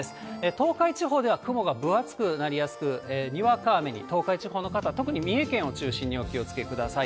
東海地方では雲が分厚くなりやすく、にわか雨に、東海地方の方、特に三重県を中心にお気をつけください。